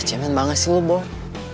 cemen banget sih lo boy